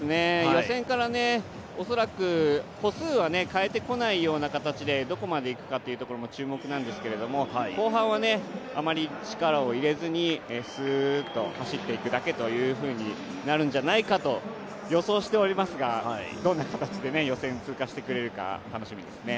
予選から、恐らく歩数は変えてこないような形でどこまでいくかっていうところも注目なんですけれども後半はあまり力を入れずにすーっと走っていくだけとなるんじゃないかと予想していますがどんな形で予選を通過していくか楽しみですね。